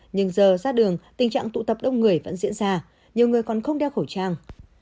nhưng giờ ra đường tình trạng tụ tập đông người vẫn diễn ra nhiều người còn không đeo khẩu trang